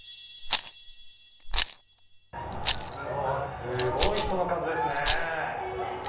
すごい人の数ですね。